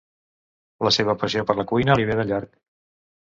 La seva passió per la cuina li ve de llarg.